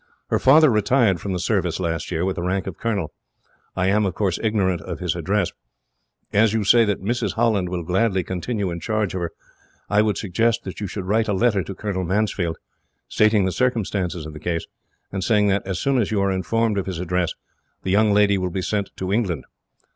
Her father retired from the Service last year, with the rank of colonel. I am, of course, ignorant of his address. As you say that Mrs. Holland will gladly continue in charge of her, I would suggest that you should write a letter to Colonel Mansfield, stating the circumstances of the case, and saying that, as soon as you are informed of his address, the young lady will be sent to England.